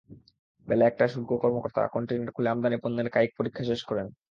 বেলা একটায় শুল্ক কর্মকর্তারা কনটেইনার খুলে আমদানি পণ্যের কায়িক পরীক্ষা শেষ করেন।